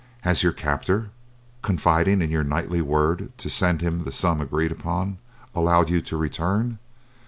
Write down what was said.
Has your captor, confiding in your knightly word to send him the sum agreed upon, allowed you to return?